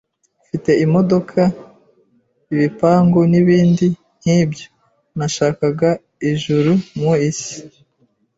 ufite imodoka, ibipangu, n’ibindi nk’ibyo (nashakaga ijuru mu isi)